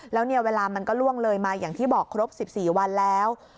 แล้วเนี่ยเวลามันก็ล่วงเลยมาอย่างที่บอกครบ๑๔วันแล้ว